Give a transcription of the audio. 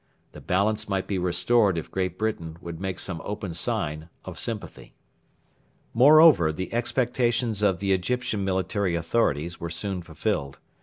The balance might be restored if Great Britain would make some open sign of sympathy. Moreover, the expectations of the Egyptian military authorities were soon fulfilled.